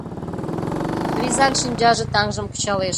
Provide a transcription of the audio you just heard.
Лизан шинчаже таҥжым кычалеш.